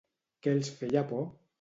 Què els feia por?